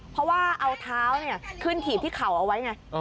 เพราะว่าเอาเท้าขึ้นถีบที่เข่าเอาไว้ไง